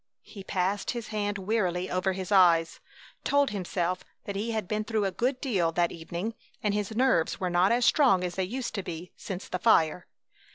He passed his hand wearily over his eyes, told himself that he had been through a good deal that evening and his nerves were not as strong as they used to be since the fire.